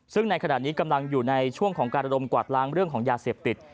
ซึ่งในขณะนี้กำลังอยู่ในช่วงของการระดมกวาดล้างเรื่องของยาเสพติด